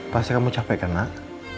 pasti kamu capek kan nak